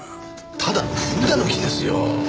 ただの古だぬきですよ。